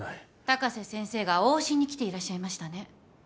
高瀬先生が往診に来ていらっしゃいましたね。